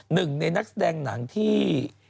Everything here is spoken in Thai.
หนึ่งในนักแสดงหนังที่